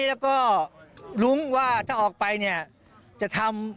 แล้วก็รุ้งว่าถ้าออกไปจะทำ